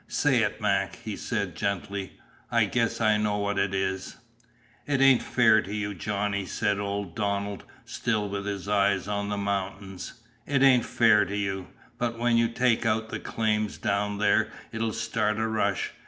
"Say it, Mac," he said gently. "I guess I know what it is." "It ain't fair to you, Johnny," said old Donald, still with his eyes on the mountains. "It ain't fair to you. But when you take out the claims down there it'll start a rush.